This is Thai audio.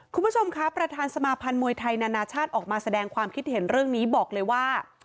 คุณผู้ชมคะประธานสมาพันธ์มวยไทยนานาชาติออกมาแสดงความคิดเห็นเรื่องนี้บอกเลยว่า